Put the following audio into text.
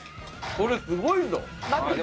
これすごいぞ！